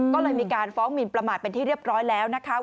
ก็เลยมีการฟ้องหมินประมาทเป็นที่เรียบร้อยแล้วนะคะ